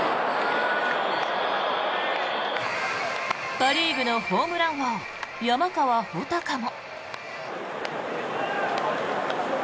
パ・リーグのホームラン王山川穂高も。